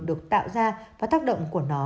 được tạo ra và tác động của nó